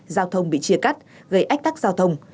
giao thông bị chia cắt gây ách tắc giao thông